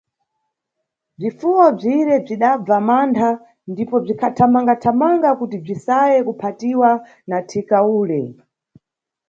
Bzifuwo bzire bzinabva mantha ndipo bzikhathamangathamanga kuti bzisaye kuphatiwa na thika ule.